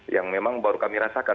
yang memang baru kami rasakan